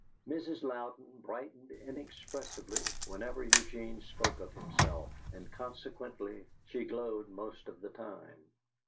Mrs. Louden brightened inexpressibly whenever Eugene spoke of himself, and consequently she glowed most of the time.